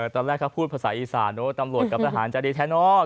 ตอนแรกเขาพูดภาษาอีสานตำรวจกับทหารจะดีแท้เนอะ